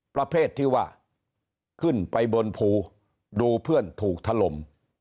ประเภทที่ว่าขึ้นไปบนภูดูเพื่อนถูกถล่ม